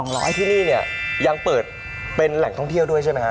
ที่นี่ยังเปิดเป็นแหล่งท่องเที่ยวด้วยใช่ไหมครับ